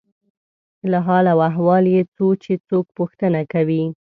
له حال او احوال یې څو چې څوک پوښتنه کوي.